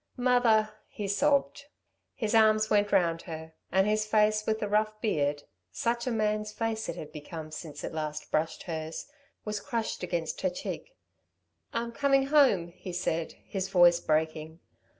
"Mother!" he sobbed. His arms went round her, and his face with the rough beard such a man's face it had become since it last brushed her's was crushed against her cheek. "I'm coming home," he said, his voice breaking.